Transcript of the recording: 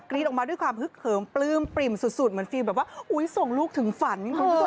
กรี๊ดออกมาด้วยความเขิมปลื้มสุดเหมือนฟิล์มแบบว่าอุ้ยส่งลูกถึงฝัน